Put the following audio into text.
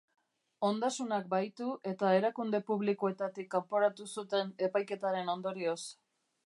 Ondasunak bahitu eta erakunde publikoetatik kanporatu zuten epaiketaren ondorioz.